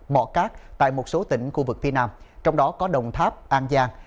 mọ cát tại một số tỉnh khu vực phía nam trong đó có đồng tháp an giang